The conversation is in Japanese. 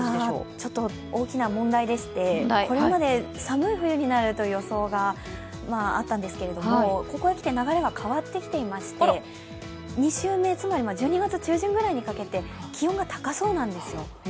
ちょっと大きな問題でして、これまで寒い冬になるという予想があったんですけど、ここへきて流れが変わってきていまして、２週目、つまり１２月中旬ぐらいにかけて気温が高そうなんですよ。